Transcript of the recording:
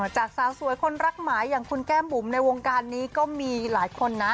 จากสาวสวยคนรักหมายอย่างคุณแก้มบุ๋มในวงการนี้ก็มีหลายคนนะ